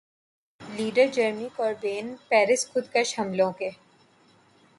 leader Jeremy Corbyn Paris خودکش حملوں کے